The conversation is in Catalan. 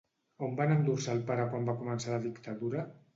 On van endur-se al pare quan va començar la dictadura?